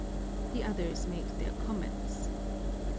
The others made their comments.